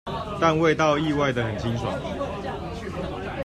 但味道意外地很清爽